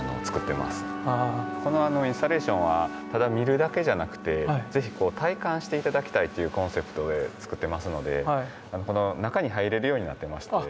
このインスタレーションはただ見るだけじゃなくて是非こう体感して頂きたいというコンセプトで作ってますのでこの中に入れるようになってまして。